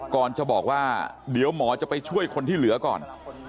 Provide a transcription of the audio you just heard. ก่อนจะบอกว่าเดี๋ยวหมอจะไปช่วยคนที่เหลือก่อน